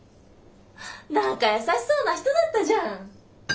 何か優しそうな人だったじゃん。